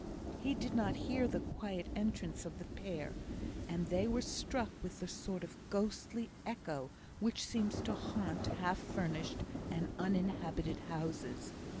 He did not hear the quiet entrance of the pair, and they were struck with the sort of ghostly echo which seems to haunt half furnished and uninhabited houses.